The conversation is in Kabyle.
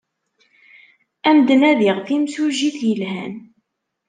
Ad am-d-nadiɣ timsujjit yelhan.